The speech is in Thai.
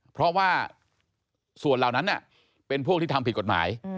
เพราะว่าส่วนเหล่านั้นเป็นพวกที่ทำผิดกฎหมาย